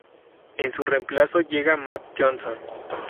En su reemplazo llega Matt Johnson.